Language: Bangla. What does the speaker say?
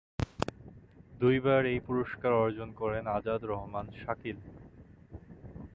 দুইবার এই পুরস্কার অর্জন করেন আজাদ রহমান শাকিল।